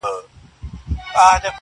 o مساپر د خېر پوښته، نه د ورځو٫